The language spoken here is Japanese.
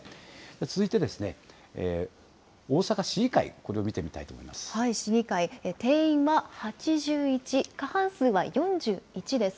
続いて、大阪市議会、これを見て市議会、定員は８１、過半数は４１です。